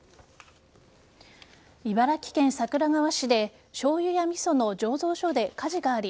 茨城県桜川市でしょうゆや味噌の醸造所で火事があり